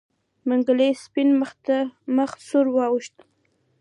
د منګلي سپين مخ سور واوښت.